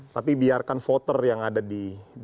tapi biarkan voter yang ada di